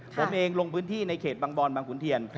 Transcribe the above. ผมเองลงพื้นที่ในเขตบางบอนบางขุนเทียน